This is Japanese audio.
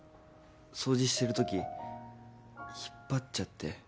掃除してるとき引っ張っちゃって。